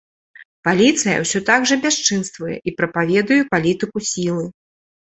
Паліцыя ўсё так жа бясчынствуе і прапаведуе палітыку сілы.